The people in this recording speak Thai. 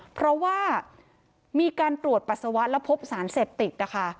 เพราะว่ามีการตรวจปัสสาวะแล้วพบสารเสพติดนะคะ